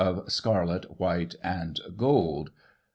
of Scarlet, White and Gold.